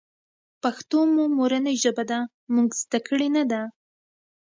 پښتو مو مورنۍ ژبه ده مونږ ذده کــــــــړې نۀ ده